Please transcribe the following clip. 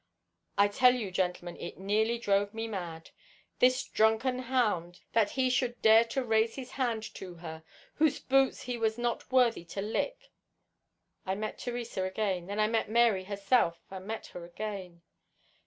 I tell you, gentlemen, it nearly drove me mad. This drunken hound, that he should dare to raise his hand to her whose boots he was not worthy to lick! I met Theresa again. Then I met Mary herself—and met her again.